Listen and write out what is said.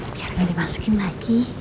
biar gak dimasukin lagi